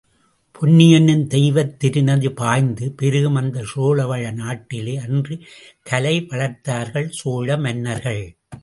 பொன்னியென்னும் தெய்வத் திருநதி பாய்ந்து பெருகும் அந்தச் சோழவள நாட்டிலே அன்று கலை வளர்த்தார்கள் சோழ மன்னர்கள்.